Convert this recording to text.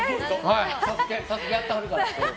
「ＳＡＳＵＫＥ」やってはるから。